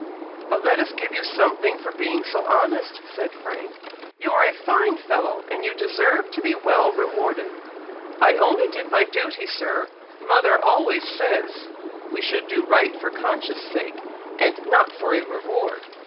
"But let us give you something for being so honest," said Frank. "You are a fine fellow, and you deserve to be well rewarded." "I only did my duty, Sir. Mother always says we should do right for conscience' sake, and not for a reward."